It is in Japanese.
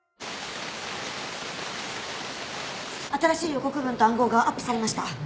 新しい予告文と暗号がアップされました。